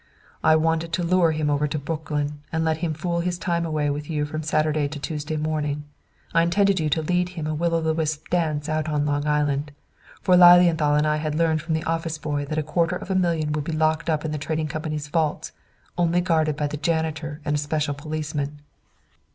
"I wanted to lure him over to Brooklyn and let him fool his time away with you from Saturday to Tuesday morning. I intended you to lead him a will o' the wisp dance out on Long Island. For Lilienthal and I had learned from the office boy that a quarter of a million would be locked up in the Trading Company's vaults, only guarded by the janitor and the special policeman.